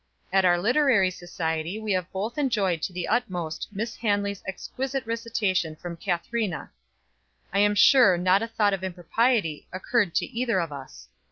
At our literary society we have both enjoyed to the utmost Miss Hanley's exquisite recitation from 'Kathrina.' I am sure not a thought of impropriety occurred to either of us.